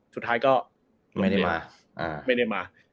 สุดท้ายก็ไม่ได้มา